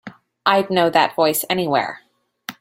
I'd know that voice anywhere.